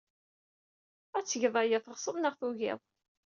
Ad tged aya, teɣsed neɣ tugid.